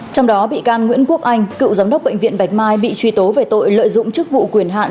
trong đó bị can nguyễn quốc anh cựu giám đốc bệnh viện bạch mai bị truy tố về tội lợi dụng chức vụ quyền hạn